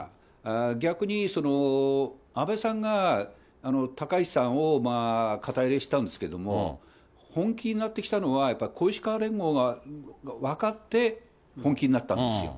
逆にその安倍さんが高市さんを肩入れしてたんですけれども、本気になってきたのはやっぱり小石河連合が分かって本気になったんですよ。